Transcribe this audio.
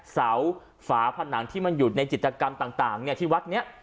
ฝาผนังที่มันอยู่ในจิตกรรมต่างที่วัดนี้